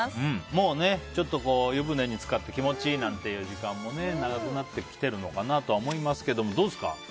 もう湯船に浸かって気持ちいいみたいな時間も長くなってきているのかなとは思いますけど、どうですか。